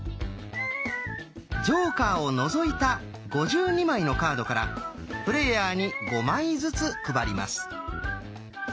ジョーカーを除いた５２枚のカードからプレーヤーに５枚ずつ配ります。